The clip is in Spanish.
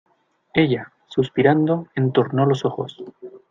ella, suspirando , entornó los ojos